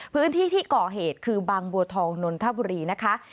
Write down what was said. พื้นที่ที่ก่อเหตุคือบางบัวทองนนทบุรีนะคะ